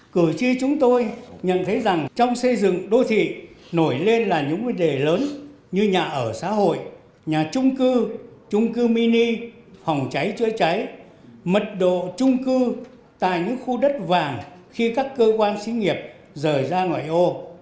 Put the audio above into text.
cử tri chúng tôi nhận thấy rằng trong xây dựng đô thị nổi lên là những vấn đề lớn như nhà ở xã hội nhà trung cư trung cư mini phòng cháy chữa cháy mật độ trung cư tại những khu đất vàng khi các cơ quan xí nghiệp rời ra ngoài ô